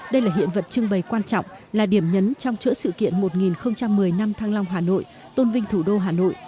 đây là hiện vật trưng bày quan trọng là điểm nhấn trong chỗ sự kiện một nghìn một mươi năm thăng long hà nội tôn vinh thủ đô hà nội